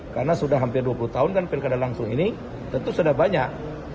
karena sudah hampir dua puluh tahun dan pilkada langsung ini tentu sudah banyak